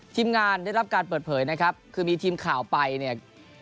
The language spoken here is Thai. ทีมงานได้รับการเปิดเผยนะครับคือมีทีมข่าวไปเนี่ย